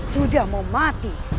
sudah mau mati